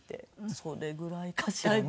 それぐらいかしらね。